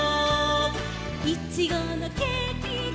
「いちごのケーキだ」